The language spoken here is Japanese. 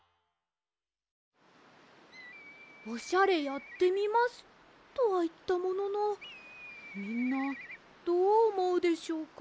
「オシャレやってみます」とはいったもののみんなどうおもうでしょうか？